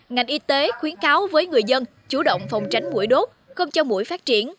ngành y tế khuyến cáo với người dân chủ động phòng tránh mũi đốt không cho mũi phát triển